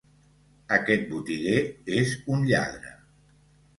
Aquest botiguer és un lladre.